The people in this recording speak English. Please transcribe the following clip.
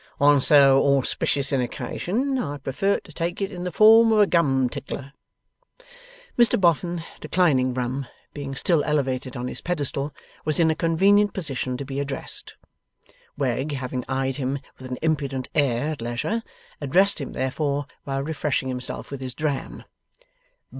On so auspicious an occasion, I prefer to take it in the form of a Gum Tickler.' Mr Boffin, declining rum, being still elevated on his pedestal, was in a convenient position to be addressed. Wegg having eyed him with an impudent air at leisure, addressed him, therefore, while refreshing himself with his dram.